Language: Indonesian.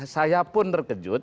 saya pun terkejut